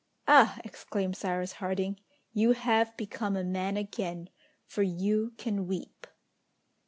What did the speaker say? "Ah!" exclaimed Cyrus Harding, "you have become a man again, for you can weep!"